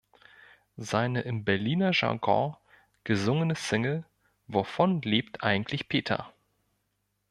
Seine im Berliner Jargon gesungene Single "Wovon lebt eigentlich Peter?